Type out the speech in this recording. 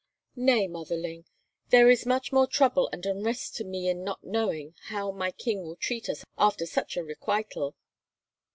"Nay, motherling, there is much more trouble and unrest to me in not knowing how my king will treat us after such a requital!